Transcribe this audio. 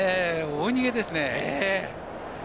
大逃げですね。